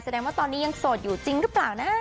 แสดงว่าตอนนี้ยังโสดอยู่จริงหรือเปล่านะ